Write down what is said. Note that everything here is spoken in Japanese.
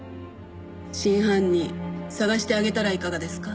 真犯人捜してあげたらいかがですか？